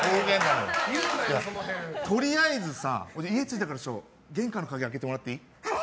とりあえず、家付いたから玄関の鍵開けてもらっていい。